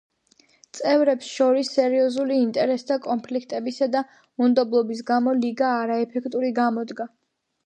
წევრებს შორის სერიოზული ინტერესთა კონფლიქტებისა და უნდობლობის გამო ლიგა არაეფექტური გამოდგა.